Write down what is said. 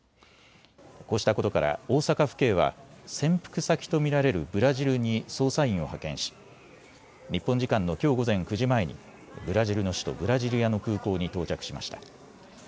こうしたことから大阪府警は潜伏先と見られるブラジルに捜査員を派遣し日本時間のきょう午前９時前にブラジルの首都ブラジリアの空港に到着しました。